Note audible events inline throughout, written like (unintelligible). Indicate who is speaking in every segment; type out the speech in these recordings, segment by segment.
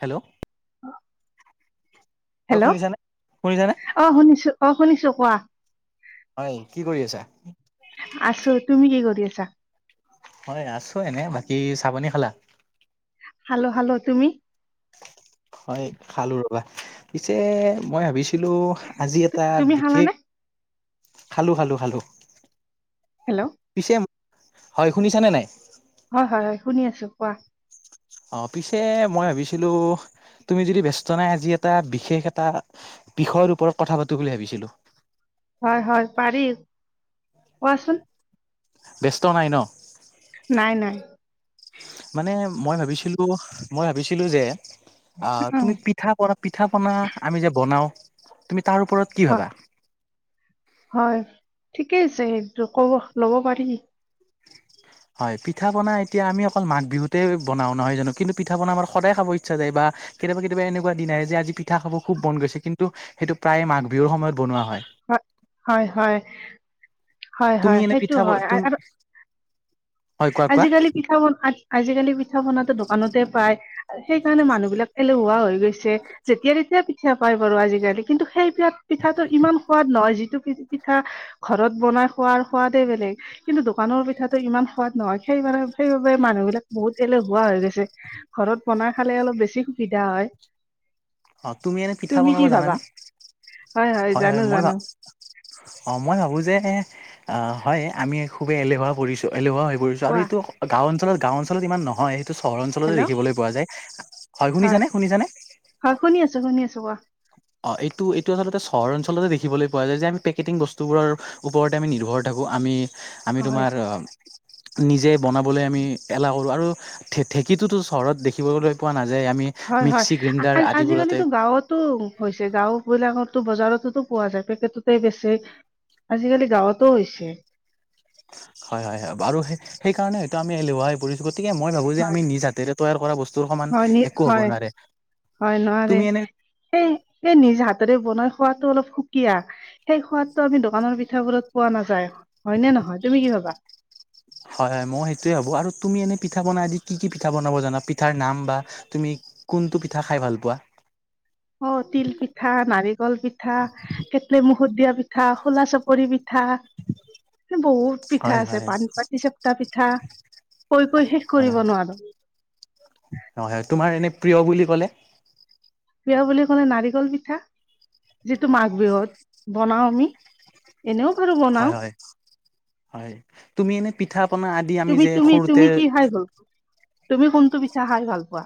Speaker 1: Hello, হয়
Speaker 2: hello
Speaker 1: শুনিছানে, শুনিছা নে।
Speaker 2: অ' শুনিছো, অ' শুনিছো কোৱা।
Speaker 1: হয়, কি কৰি আছা।
Speaker 2: আছোঁ। তুমি কি কৰি আছা?
Speaker 1: মই আছোঁ এনে, বাকী চাহ পানী খালা।
Speaker 2: খালো, খালো তুমি?
Speaker 1: হয় খালো ৰ'বা, পিছে মই ভাবিছিলোঁ আজি
Speaker 2: তু-
Speaker 1: এটা
Speaker 2: তুমি
Speaker 1: বিশেষ
Speaker 2: খালানে
Speaker 1: খালোঁ, খালোঁ, খালোঁ।
Speaker 2: হেল্ল'?
Speaker 1: পিছে, হয় শুনিছানে নাই।
Speaker 2: হয়, হয়, হয় শুনি আছোঁ কোৱা।
Speaker 1: অ' পিছে মই ভাবিছিলো, তুমি যদি ব্যস্ত নাই আজি এটা বিশেষ এটা বিষয়ৰ ওপৰত কথা পাতো বুলি ভাবিছিলো।
Speaker 2: হয়, হয় পাৰি, কোৱাচোন!
Speaker 1: ব্যস্ত নাই ন?
Speaker 2: নাই, নাই।
Speaker 1: মানে মই ভাবিছিলোঁ, মই ভাবিছিলোঁ যে আহ'
Speaker 2: উ
Speaker 1: তুমি পিঠ পিঠা-পনা, পিঠা-পনা আমি যে বনাও, তুমি তাৰ ওপৰত কি
Speaker 2: হয়
Speaker 1: ভাবা?
Speaker 2: হয় ঠিকেই আছে সেইটো ক'ব, ল'ব পাৰি।
Speaker 1: হয়, পিঠা-পনা এতিয়া আমি অকল মাঘ বিহুতেই বনাওঁ নহয় জানো, কিন্তু পিঠা-পনা আমাৰ সদায় খাব ইচ্ছা যায় বা কেতিয়াবা, কেতিয়াবা এনেকুৱা দিন আহে যে, আজি পিঠা খাব খুব মন গৈছে, কিন্তু সেইটো প্ৰায়ে মাঘ বিহুৰ সময়ত বনোৱা হয়।
Speaker 2: হয়, হয়। হয়,
Speaker 1: তুমি
Speaker 2: হয়
Speaker 1: এনে
Speaker 2: সেইটো
Speaker 1: পিঠা
Speaker 2: হয়
Speaker 1: তুমি
Speaker 2: আৰু
Speaker 1: হয় কোৱা কোৱা
Speaker 2: আজিকালি পিঠা-পনা, আজি-আজিকালি পিঠা-পনাটো দোকানতে পায়, সেইকাৰণে মানুহ বিলাক এলেহুৱা হৈ গৈছে, যেতিয়া তেতিয়া পিঠা পায় বাৰু আজিকালি, কিন্তু সেই এতিয়া পিঠাটোৰ ইমান সোৱাদ নহয়, যিটো কি পিঠা ঘৰত বনাই খোৱাৰ সোৱাদে বেলেগ, কিন্তু দোকানৰ পিঠাটো ইমান সোৱাদ নহয়, সেইবাবে, সেইবাবে মানুহবিলাক বহুত এলেহুৱা হৈ গৈছে, ঘৰত বনাই খালে অলপ বেছি সুবিধা হয়।
Speaker 1: অ' তুমি এনেই পিঠা বনাব
Speaker 2: কি ভাবা?
Speaker 1: জানানে? হয়, হয় মই ভা অ' মই ভাবো যে আহ হয়, আমি খুবেই এলেহুৱা পৰিছো, এলেহুৱা হৈ পৰিছো। আৰু
Speaker 2: কোৱা
Speaker 1: এইটো গাঁও অঞ্চলত, গাঁও অঞ্চলত ইমান নহয়। সেইটো চহৰ অঞ্চলত
Speaker 2: হেল্ল'
Speaker 1: দেখিবলৈ পোৱা যায়। হয় শুনিছানে, শুনিছানে?
Speaker 2: হয় শুনি আছো, শুনি আছো কোৱা।
Speaker 1: অ' এইটো, এইটো আচলতে চহৰ অঞ্চলতে দেখিবলৈ পোৱা যায় যে, আমি পেকেটিং বস্তুবোৰৰ ওপৰতে আমি নিৰ্ভৰ থাকোঁ, আমি আমি
Speaker 2: হয়।
Speaker 1: তোমাৰ আহ, নিজে বনাবলৈ আমি এলাহ কৰো আৰু ঢে-ঢেঁকীটোতো চহৰত দেখিবলৈ পোৱা নাযায়, আমি
Speaker 2: হয়, হয়
Speaker 1: মিক্সি গ্ৰাইণ্ডাৰ আদিবোৰতে
Speaker 2: আ-আ-আজিকালিতো গাঁৱত টো হৈছে গাওঁ বিলাকতো, বজাৰতটোতো পোৱা যায়, পেকেটতে বেছে। আজিকালি গাঁৱতো হৈছে।
Speaker 1: হয়, হয়, হয় বাৰু সে-সেই কাৰণে হয়টো আমি এলেহুৱা হৈ পৰিছো। গতিকে মই ভাবো যে,
Speaker 2: হয়
Speaker 1: আমি নিজ হাতেৰে তৈয়াৰ কৰা বস্তুৰ সমান
Speaker 2: হয় নি
Speaker 1: একো হ'ব
Speaker 2: হয়
Speaker 1: নোৱাৰে।
Speaker 2: হয় নোৱাৰে।
Speaker 1: তুমি এনে
Speaker 2: এই, এই নিজ হাতৰে বনাই খোৱাটো অলপ সুকীয়া। সেই সোৱাদটো আমি দোকানৰ পিঠাবোৰত পোৱা নাযায়, হয় নে নহয়, তুমি কি ভাবা?
Speaker 1: হয়, হয় মইও সেইটোৱেই ভাবো আৰু তুমি এনে পিঠা-পনা দি কি, কি পিঠা বনাব জানা, পিঠাৰ নাম বা তুমি কোনটো পিঠা খাই ভাল পোৱা?
Speaker 2: অ তিল পিঠা, নাৰিকল পিঠা। কেটলিৰ মুখত দিয়া পিঠা, খোলা চাপৰি পিঠা এ বহুত পিঠা
Speaker 1: হয়
Speaker 2: আছে,
Speaker 1: হয়
Speaker 2: পানপাতি চেপটা পিঠা, কৈ কৈ শেষ কৰিব নোৱাৰো।
Speaker 1: নহয়, তোমাৰ এনে প্ৰিয় বুলি ক'লে?
Speaker 2: প্ৰিয় বুলি ক'লে নাৰিকল পিঠা, যিটো মাঘ বিহুত বনাও আমি। এনেও বাৰু
Speaker 1: হয়
Speaker 2: বনাওঁ।
Speaker 1: হয় হয়। তুমি এনে পিঠা পনা আদি আমি
Speaker 2: তুমি
Speaker 1: যে
Speaker 2: তুমি
Speaker 1: সৰুতে
Speaker 2: তুমি কি খাই ভাল তুমি কোনটো পিঠা খাই ভাল পোৱা?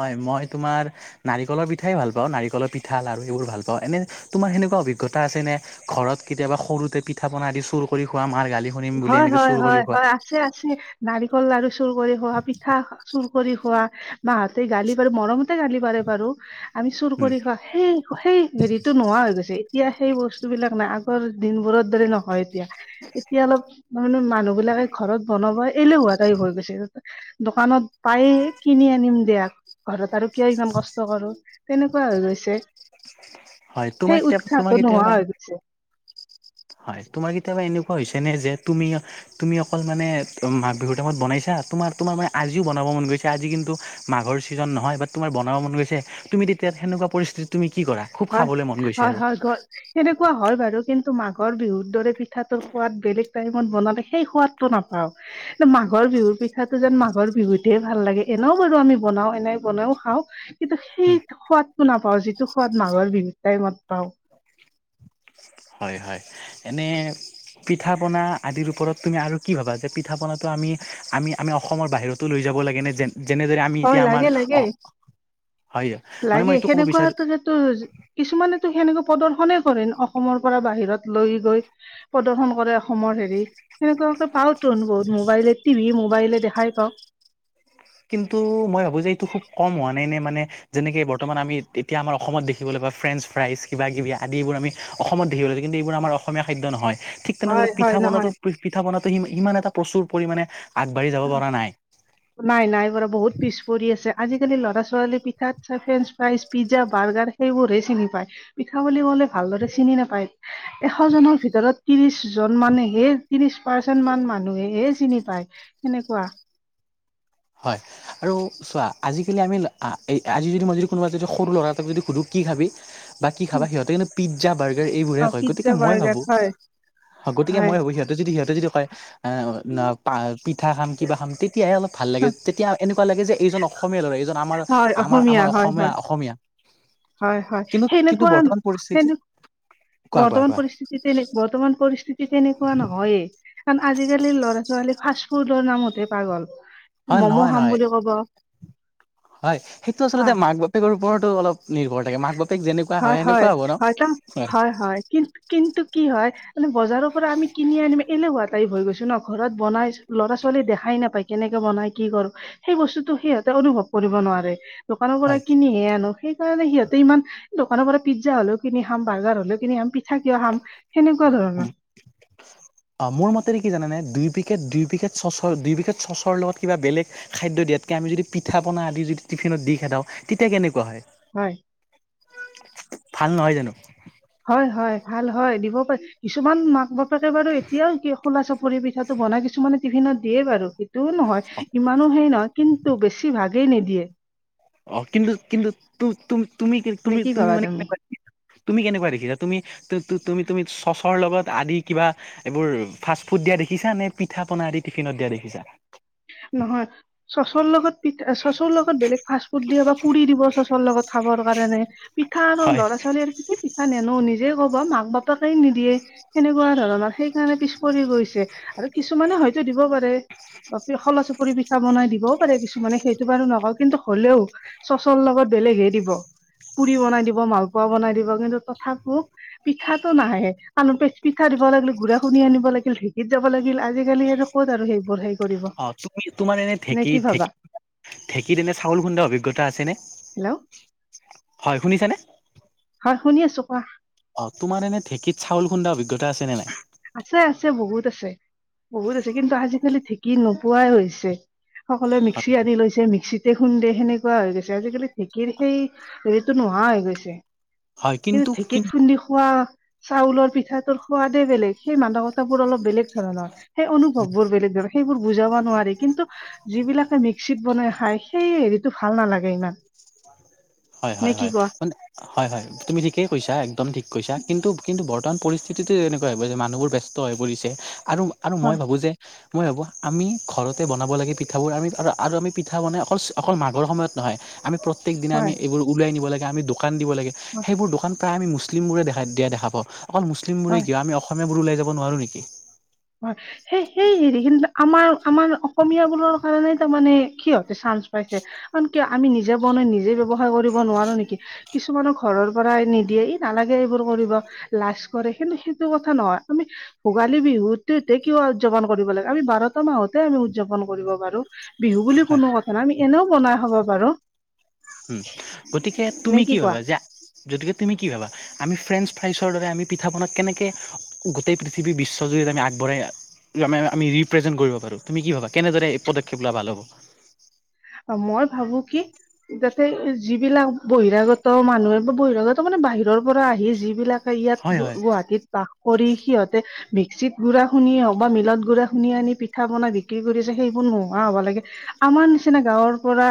Speaker 1: হয়, মই তোমাৰ নাৰিকলৰ পিঠাই ভাল পাওঁ, নাৰিকলৰ পিঠা লাৰু এইবোৰ ভাল পাওঁ। এনে তোমাৰ সেনেকুৱা অভিজ্ঞতা আছেনে? ঘৰত কেতিয়াবা সৰুতে পিঠা পনা আদি চুৰ কৰি খোৱা, মাৰ গালি শুনিম বুলি এনেকে চুৰ কৰি খোৱা?
Speaker 2: আছে-আছে। নাৰিকল লাৰু চুৰ কৰি খোৱা, পিঠা চুৰ কৰি খোৱা, মাঁহতে গালি পাৰে, মৰমতে গালি পাৰে বাৰু। আমি চুৰ
Speaker 1: উম
Speaker 2: কৰি খোৱা সেই সেই হেৰিতো নোহোৱা হৈ গৈছে। এতিয়া সেই বস্তু বিলাক নাই, আগৰ দিনবোৰৰ দৰে নহয় এতিয়া।
Speaker 1: (unintelligible)
Speaker 2: এতিয়া অলপ মানে মানুহ বিলাকে ঘৰত বনাব এলেহোৱা টাইপ হৈ গৈছে। দোকানত পায়ে কিনি আনিম দিয়া, ঘৰত আৰু কিয় ইমান কষ্ট কৰো, তেনেকুৱা হৈ গৈছে।
Speaker 1: হয় তোমাৰ
Speaker 2: সেই
Speaker 1: কেতিয়াবা তোমাৰ
Speaker 2: উৎসাহটো নোহোৱা
Speaker 1: কেতিয়াবা
Speaker 2: হৈ গৈছে।
Speaker 1: হয় তোমাৰ কেতিয়াবা এনেকুৱা হৈছে নে যে তুমি তুমি অকল মানে মা বিহুৰ টাইত বনাইছা, তোমাৰ তোমাৰ মানে আজিও বনাব মন গৈছে। এতিয়া আজি কিন্তু মাঘৰ ছিজন নহয়, বাট তোমাৰ বনাব মন গৈছে, তুমি তেতিয়া সেনেকুৱা পৰিস্থিতিত তুমি কি কৰা? খুব
Speaker 2: হয়,
Speaker 1: খাবলে মন গৈছে
Speaker 2: হয়,
Speaker 1: আৰু।
Speaker 2: হয়, গ সেনেকুৱা হয় বাৰু। কিন্তু মাঘৰ বিহুত দৰে পিঠাটোৰ সোৱাদ বেলেগ টাইমত বনালে সেই সোৱাদটো নাপাওঁ। মাঘৰ বিহুৰ পিঠাটো যেন মাঘৰ বিহুতে ভাল লাগে, এনে‌ও বাৰু আমি বনাওঁ, এনে বনাওঁ খাওঁ। কিন্তু সেই সোৱাদটো নাপাওঁ, যিটো সোৱাদ মাঘৰ বিহুত টাইমত পাওঁ।
Speaker 1: হয় হয়, এনে পিঠা পনা আদিৰ ওপৰত তুমি আৰু কি ভাবা? যে পিঠা পনাটো আমি, আমি আমি অসমৰ বাহিৰত টো লৈ যাব লাগেনে? যে যেনেদৰে আমি
Speaker 2: হয়
Speaker 1: এতিয়া
Speaker 2: লাগে
Speaker 1: আমাৰ
Speaker 2: লাগে
Speaker 1: অহ হয়। মানে মই এইটো ক'ব বিচাৰো
Speaker 2: তো, কিছুমানেতো সেনেকোৱা প্ৰদৰ্শনে কৰে অসমৰ পৰা বাহিৰত লৈ গৈ। প্ৰদৰ্শন কৰে অসমৰ হেৰি। সেনেকোৱাওটো পা ত বহুত, মোবাইলে টিভি মোবাইলে দেখাই পাওঁ।
Speaker 1: কিন্তু মই ভাবোঁ যে এইটো খুব কম হোৱা নাই নে মানে যেনেকে বৰ্তমান আমি এতিয়া আমাৰ অসমত দেখিবলৈ পাওঁ, ফ্ৰেইণ্ডচ ফ্ৰাইজ কিবা কিবি আদিবোৰ আমি অসমত দেহী (unintelligible) লছে কিন্তু এইবোৰ আমাৰ অসমীয়া খাদ্য নহয়। ঠিক তেনেদৰে
Speaker 2: হয়
Speaker 1: পিঠা
Speaker 2: হয়
Speaker 1: বনাটো
Speaker 2: নহয়
Speaker 1: পিঠা বনাটো ইমান এটা প্ৰচুৰ পৰিমাণে আগবাঢ়ি যাব পৰা নাই।
Speaker 2: নাই নাই বাৰু, বহুত পিছ পৰি আছে। আজিকালি ল'ৰা ছোৱালীয়ে পিঠা, ফ্ৰেঞ্চ, ফ্ৰাইজ, পিজ্জা, বাৰ্গাৰ সেইবোৰহে চিনি পায়। পিঠা বুলি ক'লে ভালদৰে চিনি নোপায়। এশজনৰ ভিতৰত ত্ৰিশ জন মানেহে ত্ৰিশ পাৰ্চেণ্ট মান মানুহেহে চিনি পায় সেনেকুৱা।
Speaker 1: হয়। আৰু চোৱা আজিকালি আমি আজি যদি, মই যদি কোনোবা যদি সৰু ল'ৰা এটাক যদি সুধোঁ কি খাবি? বা কি খাবা? সিহঁতে কিন্তু পিজ্জা, বাৰ্গাৰ এইবোৰহে
Speaker 2: অ
Speaker 1: কয়। গতিকে
Speaker 2: পিজ্জা
Speaker 1: মই
Speaker 2: বাৰ্গাৰ
Speaker 1: ভাবোঁ,
Speaker 2: হয়
Speaker 1: গতিকে
Speaker 2: হয়
Speaker 1: মই ভাবোঁ সিহঁত যদি সিহঁতে যদি কয় আ না পা পিঠা খাম কিবা খাম তেতিয়াহে অলপ ভাল লাগে তেতিয়া এনেকুৱা এনেকুৱা লাগে যে এইজন অসমীয়া ল'ৰা এইজন আমাৰ
Speaker 2: হয়
Speaker 1: আমাৰ আমাৰ
Speaker 2: হয়
Speaker 1: অসমীয়া
Speaker 2: হয়
Speaker 1: অসমীয়া।
Speaker 2: হয় হয়
Speaker 1: কিন্তু কিন্তু
Speaker 2: সেনেকুৱা
Speaker 1: বৰ্তমান পৰিস্থিতিত
Speaker 2: সেনে
Speaker 1: কোৱা কোৱা
Speaker 2: বৰ্তমান
Speaker 1: কোৱা
Speaker 2: পৰিস্থিতিৰ তেনেকুৱা বৰ্তমান পৰিস্থিতি তেনেকুৱা নহয়েই। কাৰণ আজিকালি ল'ৰা ছোৱালী ফাৰ্ষ্ট ফুডৰ নামতে পাগল।
Speaker 1: হয়
Speaker 2: ম'ম'
Speaker 1: নহয়
Speaker 2: খাম
Speaker 1: নহয়
Speaker 2: বুলি ক'ব
Speaker 1: হয় সেইটো
Speaker 2: খোৱা
Speaker 1: আচলতে মাক বাপে বাপেকৰ ওপৰতো অলপ নিৰ্ভৰ থাকে মাক বাপেক যেনেকুৱা হয় সেনেকুৱা হ'ব ন হয়
Speaker 2: কিন কিন্তু কি হয় মানে বজাৰৰ পৰা আমি কিনি আনিম এলেহুৱা টাইপ হৈ গৈছো ন ঘৰত বনাই ল'ৰা ছোৱালী দেখাই নাপায় কেনেকে বনাই কি কৰো সেই বস্তুটো সিহঁতে অনুভৱ কৰিব নোৱাৰে দোকানৰ পৰা
Speaker 1: হয়।
Speaker 2: কিনিহে আনো। তাৰে সিহঁতে ইমান দোকানৰ পৰা পিজ্জা হলেও কিনি খাম বাৰ্গাৰ হলেও কিনি খাম পিঠা কিয় খাম। সেনেকুৱা ধৰণৰ।
Speaker 1: (unintelligible) অ মোৰ মতেৰে কি জানানে দুই পকেট দুই পকেট চচৰ দুই পেকেট চচৰ লগত কিবা বেলেগ খাদ্য দিয়াতকে আমি যদি পিঠা পনা আদি যদি টিফিনত দি পঠাও তেতিয়া কেনেকুৱা হয়।
Speaker 2: হয়।
Speaker 1: ভাল নহয় জানো।
Speaker 2: হয় হয় ভাল হয় দিব পাৰে কিছুমান মাক বাপে কে বাৰু এতিয়াও কি খোলা চাপৰি পিঠাটো বনাই কিছুমানে টিফিনত দিয়ে বাৰু সেইটোও নহয় ইমানো হেৰি নহয় কিন্তু বেছি ভাগেই নিদিয়ে
Speaker 1: অ কিন্তু কিন্তু তুমি
Speaker 2: নে
Speaker 1: তুমি
Speaker 2: কি
Speaker 1: তুমি
Speaker 2: ভাবা
Speaker 1: মানে কেনেকৈ দিয়া তুমি কেনেকুৱা দেখিছা তুমি তুমি তুমি চচৰ লগত আদি কিবা এইবোৰ ফাষ্ট ফুড দিয়া দেখিছা নে পিঠা পনা আদি টিফিনত দিয়া দেখিছা
Speaker 2: নহয় চচৰ লগত পিঠ চচৰ লগত বেলেগ ফাৰ্ষ্ট ফুড দিয়ে বা পুৰি দিব চচৰ লগত খাবৰ কাৰণে পিঠা আৰু
Speaker 1: হয়
Speaker 2: ল'ৰা ছোৱালী আৰু এই পিঠা নিনো নিজে কব মাক বাপেকে নিদিয়ে সেনেকুৱা ধৰণৰ সেইকাৰণে পিছ পৰি গৈছে আৰু কিছুমানে হয়তো দিব পাৰে খলা চাপৰি পিঠা বনাই দিবও পাৰে কিছুমানে সেইটো বাৰু নকওঁ কিন্তু হলেও চচৰ লগত বেলেগহে দিব পুৰি বনাই দিব মালপোৱা বনাই দিব কিন্তু তথাপিও পিঠাটো নাহে আন পিঠা দিব লাগিল গুৰা খুন্দা আনিব লাগিল ঢেঁকীত যাব লাগিল আজিকালি আৰু ক'ত আৰু সেইবোৰ হেৰি কৰিব
Speaker 1: অ তুমি তোমাৰ এনে
Speaker 2: নে
Speaker 1: ঢেঁকী
Speaker 2: কি ভাবা
Speaker 1: ঢেঁকী ঢেঁকীত এনে চাউল খুন্দা অভিজ্ঞতা আছে নে
Speaker 2: হেল্ল'
Speaker 1: হয় শুনিছানে
Speaker 2: হয় শুনি আছো কোৱা
Speaker 1: অ তোমাৰ এনে ঢেঁকীত চাল খুন্দা অভিজ্ঞতা আছে নে নাই
Speaker 2: আছে আছে বহুত আছে বহুত আছে কিন্তু আজিকালি ঢেকী নোপোৱাই হৈছে সকলোৱে মিক্সি আনি লৈছে মিক্সিতে খুন্দে সেনেকুৱা হৈ গৈছে আজিকালি ঢেঁকীৰ সেই টো নোহোৱা হৈ গৈছে কিন্তু ঢেঁকীত খুন্দি খোৱা চাউলৰ পিঠাটোৰ সোৱাদে বেলেগ সেই মাদকতা বোৰ অলপ বেলেগ ধৰণৰ সেই অনুভৱ বোৰ বেলেগ সেইবোৰ বুজাব নোৱাৰি কিন্তু যিবিলাকে মিক্সিত বনাই খায় সেই হেৰিটো ভাল নালাগে ইমান
Speaker 1: হয়
Speaker 2: নে
Speaker 1: হয়
Speaker 2: কি
Speaker 1: হয়
Speaker 2: কোৱা
Speaker 1: মানে হয় হয় তুমি ঠিকেই কৈছা একদম ঠিক কৈছা কিন্তু কিন্তু বৰ্তমান পৰিস্থিতিতো এনেকুৱা হৈ গৈছে যে মানুহবোৰ ব্যস্ত ব্যস্ত হৈ পৰিছে আৰু আৰু মই
Speaker 2: হয়
Speaker 1: ভাবো যে মই ভাবো আমি ঘৰতে বনাব লাগে পিঠাবোৰ আমি আৰু আমি পিঠা বনাই অকল অকল মাঘৰ সময়ত নহয় আমি প্ৰত্যেক দিনা
Speaker 2: হয়
Speaker 1: আমি এইবোৰ উলাই নিব লাগে আমি দোকান দিব লাগে সেইবোৰ দোকান প্ৰায় আমি মুছলিম বোৰে দেখা দিয়া পাওঁ অকল মুছলিমবোৰে
Speaker 2: হয়
Speaker 1: কিয় আমি অসমীয়াবোৰ ওলাই যাব নোৱাৰো নেকি।
Speaker 2: অ', সেই-সেই হেৰি কিন্তু আমাৰ-আমাৰ অসমীয়াবোৰৰ কাৰণে তাৰমানে সিহঁতে চানচ পাইছে। কাৰণ কিয় আমি নিজে বনাই নিজে ব্যৱসায় কৰিব নোৱাৰো নেকি কিছুমানৰ ঘৰৰ পৰা নিদিয়ে ই নালাগে এইবোৰ কৰিব লাজ কৰে কিন্তু সেইটো কথা নহয় আমি ভোগালী বিহুত (unintelligible) কিয় উদযাপন কৰিব লাগে আমি বাৰটা মাহতে আমি উদযাপন কৰিব পাৰো বিহু বুলি
Speaker 1: হয়
Speaker 2: কোনো কথ (unintelligible) আমি এনেও বনাই খাব পাৰোঁ।
Speaker 1: উম, গতিকে
Speaker 2: নে
Speaker 1: তুমি কি
Speaker 2: কোৱা
Speaker 1: ভাবা যে যতিকে তুমি কি ভাবা আমি ফ্ৰেঞ্চ ফ্ৰাইচৰ দৰে আমি পিঠা পনা কেনেকে গোটেই পৃথিৱী বিশ্বজুৰিত আমি আগবঢ়াই (unintelligible) আমি ৰিপ্ৰেজেণ্ট কৰিব পাৰো তুমি কি ভাবা কেনেদৰে এই পদক্ষেপ লোৱা ভাল হ'ব?
Speaker 2: অ' মই ভাবো কি যাতে যিবিলাক বহিৰাগত মানুহে বা বহিৰাগত মানে বাহিৰৰ পৰা আহি যিবিলাক ত'ইয়াত
Speaker 1: হয় হয়
Speaker 2: গুৱ-গুৱাহাটীত বাস কৰি সিহঁতে মিক্সিত গুড়া খুন্দি হওক বা মিলত গুড়া খুন্দি আনি পিঠা পনা বিক্ৰী কৰি আছে সেইবোৰ নোহোৱা হ'বা লাগে। আমাৰ নিছিনা গাওঁত পৰা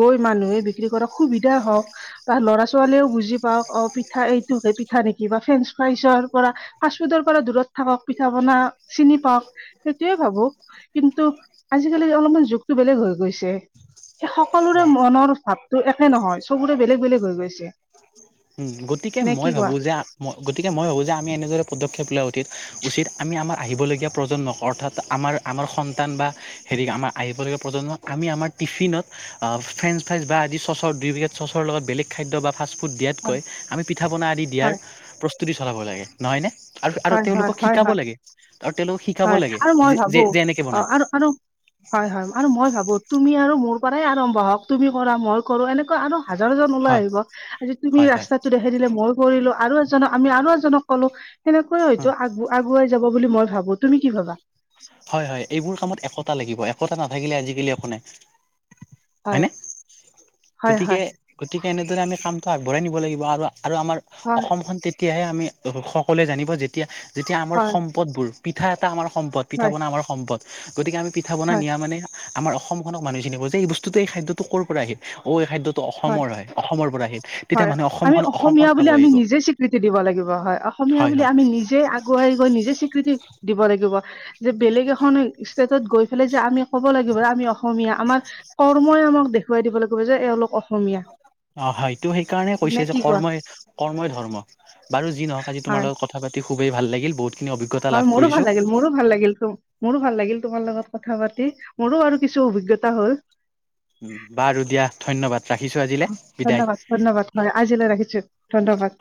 Speaker 2: গৈ মানুহে বিক্ৰী কৰা সুবিধা হও বা ল'ৰা-ছোৱালীয়েও বুজি পাওক অ' পিঠা এইটোক পিঠা নেকি বা ফ্ৰেন্ঞ্চ ফ্ৰাইচৰ পৰা ফাষ্টফুডৰ পৰা দূৰত থাকক পিঠা পনা চিনি পাওক সেইটোয়ে ভাবো। কিন্তু আজিকালিৰ অলপমান যুগটো বেলেগ হৈ গৈছে। সেই সকলোৰে
Speaker 1: অ
Speaker 2: মনৰ ভাৱটো একে নহয়, চবৰে বেলেগ, বেলেগ হৈ গৈছে।
Speaker 1: উম, গতিকে
Speaker 2: নে কি
Speaker 1: মই
Speaker 2: কোৱা
Speaker 1: ভাবোঁ যে আ মই গতিকে মই ভাবোঁ যে আমি এনেদৰে পদক্ষেপ লোৱা উতিত উচিত আমি আমাৰ আহিবলগীয়া প্ৰজন্ম অৰ্থাৎ আমাৰ আমাৰ সন্তান বা হেৰি আমাৰ আহিবলগীয়া প্ৰজন্মক আমি আমাৰ টিফিনত অ'ফ্ৰেন্ঞ্চ ফ্ৰাইজ বা আদি চচৰ দুই পেকেট চচৰ লগত বেলেগ খাদ্য বা ফাষ্টফুড
Speaker 2: হয়
Speaker 1: দিয়াতকৈ আমি পিঠা -পনা আদি দিয়াৰ
Speaker 2: হয়
Speaker 1: প্ৰস্তুতি চলাব লাগে। নহয় নে আৰু-আৰু
Speaker 2: হয় হয়
Speaker 1: তেওঁলোকক
Speaker 2: হয়
Speaker 1: শিকাব
Speaker 2: হয়
Speaker 1: লাগে, আৰু তেওঁলোকক শিকাব
Speaker 2: হয়
Speaker 1: লাগে
Speaker 2: আৰু মই
Speaker 1: জি
Speaker 2: ভাবো
Speaker 1: যে-যে এনেকে
Speaker 2: অ
Speaker 1: বনায়।
Speaker 2: আৰু আৰু হয়, হয় আৰু মই ভাবোঁ তুমি আৰু মোৰ পৰাই আৰম্ভ হওঁক, তুমি কৰা মই কৰোঁ এনেকুৱা আৰু হাজাৰজন
Speaker 1: হয়
Speaker 2: ওলাই আহিব। আজি তুমি
Speaker 1: হয় হয়
Speaker 2: ৰাস্তাটো দেখ খাই দিলে মই কৰিলোঁ আৰু এজনক আমি আৰু এজনক কলোঁ সেনেকৈ
Speaker 1: অ
Speaker 2: হয়তো আগু-আগুৱাই যাব বুলি মই ভাবোঁ তুমি কি ভাবা?
Speaker 1: হয়, হয়। এইবোৰ কামত একতা লাগিব একতা নাথাকিলে আজিকালি একো নাই।
Speaker 2: হয়
Speaker 1: হয়নে?
Speaker 2: হয়
Speaker 1: গতিকে,
Speaker 2: হয়
Speaker 1: গতিকে এনেদৰে আমি কামটো আগবঢ়াই নিব লাগিব আৰু, আৰু আমাৰ
Speaker 2: হয়
Speaker 1: অসমখন তেতিয়াহে আমি সকলোৱে জানিব যেতিয়া, যেতিয়া আমাৰ
Speaker 2: হয়
Speaker 1: সম সম্পদবোৰ, পিঠা এটা আমাৰ সম্পদ পিঠা-
Speaker 2: হয়
Speaker 1: পনা আমাৰ সম্পদ, গতিকে আমি পিঠা বনাই
Speaker 2: হয়
Speaker 1: নিয়া মানে আমাৰ অসমখনক মানুহে চিনিব যে এই বস্তুটো এই খাদ্যতো ক'ৰ পৰা আহিল অ' এই খাদ্য ত' অসমৰ হয় অসমৰ পৰা আহিল তেতিয়া
Speaker 2: হয়
Speaker 1: মানুহে
Speaker 2: আমি
Speaker 1: অসমখন, অসমখন
Speaker 2: অসমীয়া বুলি
Speaker 1: চাব
Speaker 2: আমি
Speaker 1: আহিব।
Speaker 2: নিজে স্বীকৃতি দিব লাগিব হয় অসমীয়া
Speaker 1: হয়
Speaker 2: বুলি
Speaker 1: হয়
Speaker 2: আমি নিজে আগুৱাই গৈ নিজে স্বীকৃতি দিব লাগিব যে বেলেগ এখন ষ্টেটত গৈ ফেলে যে আমি ক'ব লাগিব এ আমি অসমীয়া আমাৰ কৰ্মই আমাক দেখুৱাই দিব লাগিব যে এওঁলোক অস
Speaker 1: অ' হয়টো সেইকাৰণে
Speaker 2: নে
Speaker 1: কৈছে যে
Speaker 2: কি কোৱা
Speaker 1: কৰ্মই, কৰ্মই ধৰ্ম। বাৰু যি নহওঁক আজি তোমাৰ
Speaker 2: হয়
Speaker 1: লগত কথা পাতি খুবেই ভাল লাগিল বহুত।
Speaker 2: হয়, মোৰো ভাল লাগিল, মোৰো ভাল লাগিল তো। মোৰো ভাল লাগিল তোমাৰ লগত কথা-পাতি মোৰো আৰু কিছু অভিজ্ঞতা হ'ল।
Speaker 1: উম, বাৰু দিয়া ধন্যবাদ ৰাখিছো আজিলে বিদায়।
Speaker 2: ধন্যবাদ ধন্যবাদ হয়, আজিলৈ ৰাখিছো, ধন্যবাদ।